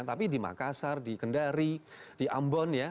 tapi di makassar di kendari di ambon ya